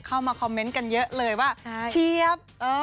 เข้ามาคอมเมนต์กันเยอะเลยว่าเชียบ